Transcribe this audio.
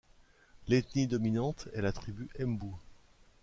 L'éthnie dominante est la tribu Embu.